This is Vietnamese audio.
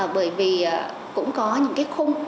bởi vì cũng có những cái khung